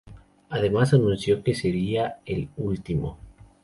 Además, anunció que sería el último.